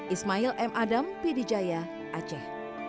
ismail m adam pd jaya aceh